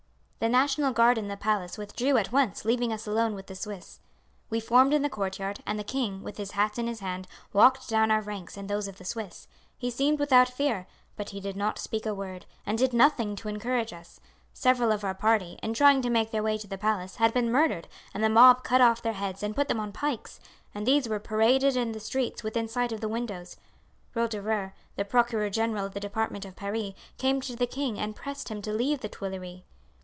The National Guard in the palace withdrew at once, leaving us alone with the Swiss. "We formed in the courtyard; and the king, with his hat in his hand, walked down our ranks and those of the Swiss. He seemed without fear, but he did not speak a word, and did nothing to encourage us. Several of our party, in trying to make their way to the palace, had been murdered, and the mob cut off their heads and put them on pikes; and these were paraded in the streets within sight of the windows. Roederer, the procureur general of the department of Paris, came to the king and pressed him to leave the Tuileries.